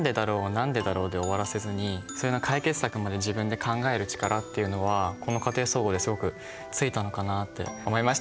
何でだろう？で終わらせずにそれの解決策まで自分で考える力っていうのはこの「家庭総合」ですごくついたのかなって思いました。